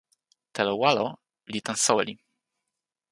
telo walo li tan soweli